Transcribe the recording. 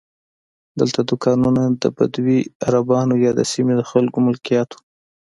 دلته دوکانونه د بدوي عربانو یا د سیمې د خلکو ملکیت وو.